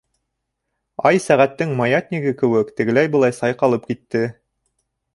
Ай сәғәттең маятнигы кеүек тегеләй-былай сайҡалып китте.